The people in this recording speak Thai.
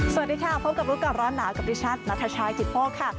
สวัสดีค่ะพบกับรู้ก่อนร้อนหนาวกับดิฉันนัทชายจิตโภคค่ะ